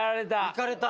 いかれた。